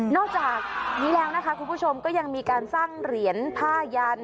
จากนี้แล้วนะคะคุณผู้ชมก็ยังมีการสร้างเหรียญผ้ายัน